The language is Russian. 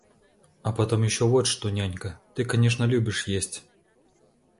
А потом ещё вот что, нянька, ты конечно любишь есть.